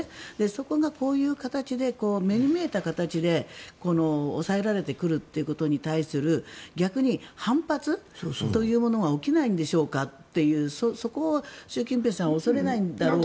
そこがこういう形で目に見えた形で抑えられてくるということに対する逆に反発というものが起きないんでしょうかというそこを習近平さんは恐れないんだろうか。